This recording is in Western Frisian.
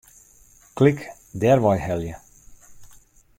Klik Dêrwei helje.